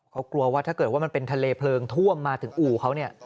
เขากลัวว่าถ้าเกิดว่ามันเป็นทะเลเพลิงท่วมมาถึงอู่เขาเนี่ย